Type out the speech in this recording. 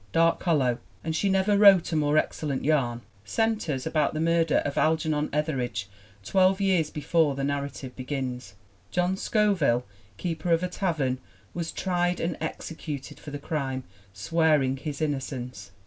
Dark Hollow and she never wrote a more excel lent yarn centers about the murder of Algernon Ethe ridge twelve years before the narrative begins. John Scoville, keeper of a tavern, was tried and executed for the crime, swearing his innocence.